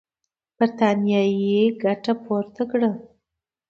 برټانیې ګټه پورته کړه.